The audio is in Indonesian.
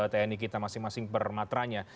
tni kita masing masing permatranya